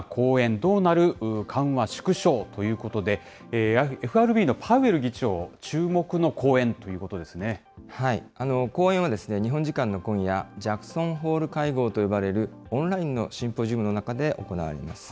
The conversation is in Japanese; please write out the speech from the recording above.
どうなる緩和縮小ということで、ＦＲＢのパウエル議長、講演は、日本時間の今夜、ジャクソンホール会合と呼ばれるオンラインのシンポジウムの中で行われます。